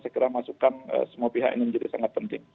segera masukkan semua pihak ini menjadi sangat penting